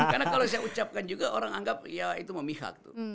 karena kalau saya ucapkan juga orang anggap ya itu memihak tuh